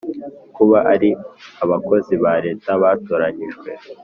kuba ari abakozi ba Leta batoranyijwe